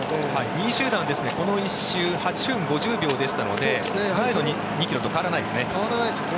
２位集団はこの１周８分５０秒でしたので前の２ｋｍと変わらないですね。